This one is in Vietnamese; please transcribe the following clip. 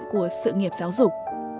của sự nghiệp giáo dục